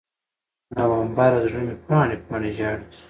نومبره، زړه مې پاڼې، پاڼې ژاړي